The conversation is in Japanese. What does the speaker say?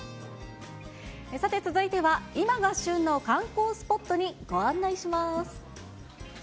さて、続いては今が旬の観光スポットにご案内します。